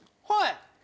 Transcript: はい。